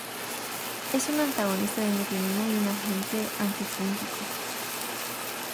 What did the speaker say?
Es un antagonista de metionina y un agente antifúngico.